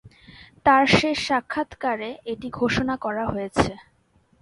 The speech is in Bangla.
তার শেষ সাক্ষাৎকারে এটা ঘোষণা করা হয়েছে।